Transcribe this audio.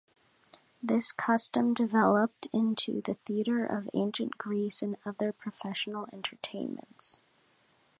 This custom developed into the theatre of ancient Greece and other professional entertainments.